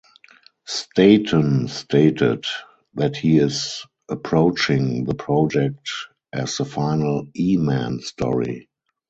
Staton stated that he is approaching the project as the final E-Man story.